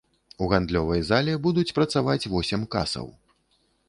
У гандлёвай зале будуць працаваць восем касаў.